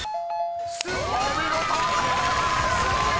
［お見事！］